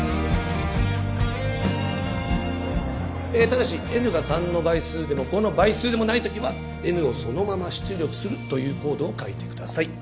ただしＮが３の倍数でも５の倍数でもない時はＮをそのまま出力するというコードを書いてください